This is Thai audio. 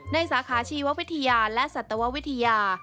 สาขาชีววิทยาและสัตววิทยา